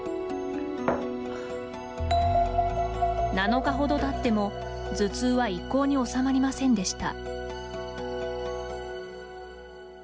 ７日ほどたっても、頭痛は一向に治まりませんでした。